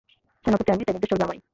সেনাপতি আমি, তাই নির্দেশ চলবে আমারই।